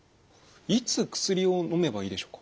いつ薬をのめばいいでしょうか？